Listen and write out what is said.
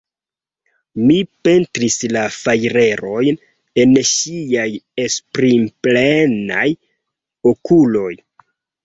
Mi pentris la fajrerojn en ŝiaj esprimplenaj okuloj.